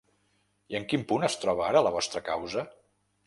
I en quin punt es troba ara la vostra causa?